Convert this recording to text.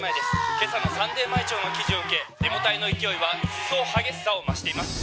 今朝のサンデー毎朝の記事を受けデモ隊の勢いは一層激しさを増しています